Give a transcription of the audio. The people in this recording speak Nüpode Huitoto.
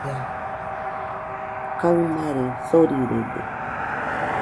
Kaɨmare sorirede.